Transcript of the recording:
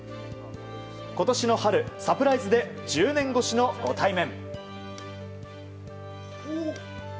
今年の春、サプライズで１０年越しのご対面。